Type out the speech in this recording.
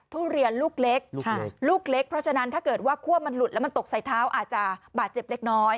ทุเรียนลูกเล็กลูกเล็กเพราะฉะนั้นถ้าเกิดว่าคั่วมันหลุดแล้วมันตกใส่เท้าอาจจะบาดเจ็บเล็กน้อย